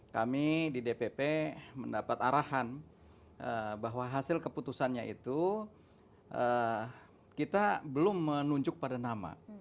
kami di dpp mendapat arahan bahwa hasil keputusannya itu kita belum menunjuk pada nama